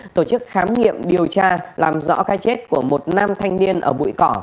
tổ chức khám nghiệm điều tra làm rõ cái chết của một nam thanh niên ở bụi cỏ